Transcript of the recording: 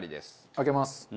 開けます。